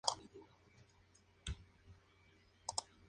Principalmente hay copias autorizadas y simples.